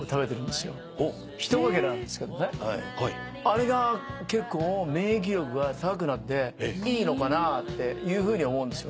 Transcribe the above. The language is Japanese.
あれが結構免疫力が高くなっていいのかなって思うんですよね。